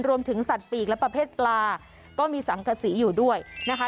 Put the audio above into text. รวมถึงสัตว์ปีกและประเภทปลาก็มีสังกษีอยู่ด้วยนะคะ